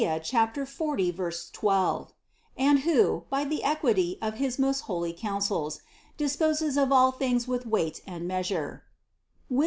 40, 12), and who, by the equity of his most holy counsels, disposes of all things with weight and measure (Wis.